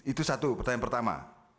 itu satu pertanyaan pertama